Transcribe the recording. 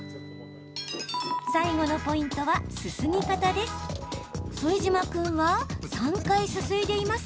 最後のポイントは、すすぎ方です。